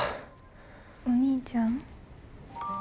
お兄ちゃん？